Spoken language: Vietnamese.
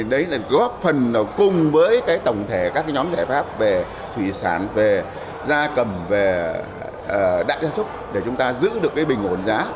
đấy là góp phần cùng với tổng thể các nhóm giải pháp về thủy sản về da cầm về đại gia súc để chúng ta giữ được bình ổn giá